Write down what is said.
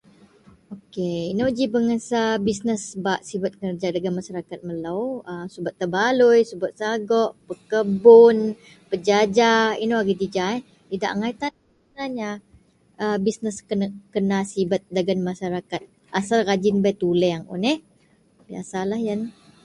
Inou ji bengesa bisnis bak sibat nou dagen masyarakat melo subet tebaloi, subet sago bekebun bejaja inou ji agei ja idak angai ji dagen masyarakat telo asal bei tu leng ji.